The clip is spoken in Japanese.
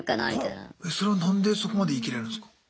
それは何でそこまで言い切れるんすか？